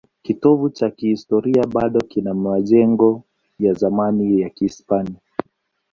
Kitovu cha kihistoria bado kina majengo ya zamani ya Kihispania.